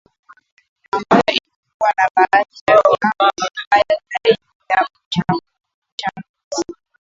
ambayo ilikuwa na baadhi ya viwango vibaya zaidi vya uchafuzi